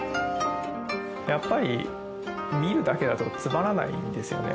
やっぱり見るだけだとつまらないんですよね。